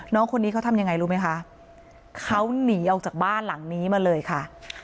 น้องคนนี้เขาทำยังไงรู้ไหมคะเขาหนีออกจากบ้านหลังนี้มาเลยค่ะ